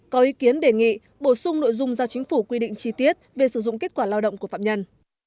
có ý kiến đề nghị bổ sung nội dung giao chính phủ quy định chi tiết về sử dụng kết quả lao động của phạm nhân